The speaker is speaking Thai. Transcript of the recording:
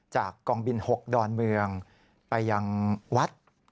จากกองบิน๖ดอนเมืองไปยังวัด